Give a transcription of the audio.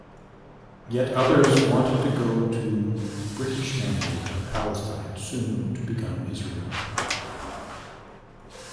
Yet others wanted to go to British Mandate of Palestine soon to become Israel.